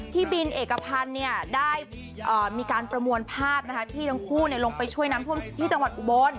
พี่บิลเอกภัณฑ์เนี่ยได้มีการประมวลภาพนะคะที่ทั้งคู่เนี่ยลงไปช่วยนำท่วมสิทธิ์จังหวัดอุบล